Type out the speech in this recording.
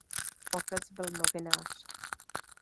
Otec byl novinář.